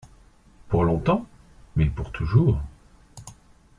Pour longtemps ? Mais pour toujours.